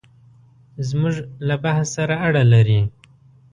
زموږ له بحث سره اړه لري.